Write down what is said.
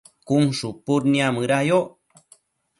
cun shupud niamëda yoc